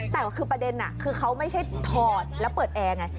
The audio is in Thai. แต่คือประเด็นคือเขาไม่ใช่ถอดแล้วเปิดแอร์ไง